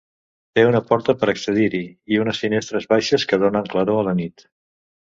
Té una porta per accedir-hi i unes finestres baixes que donen claror a la nit.